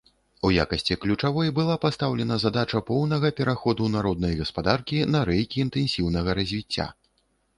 У якасці ключавой была пастаўлена задача поўнага пераходу народнай гаспадаркі на рэйкі інтэнсіўнага развіцця.